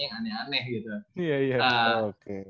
yang aneh aneh gitu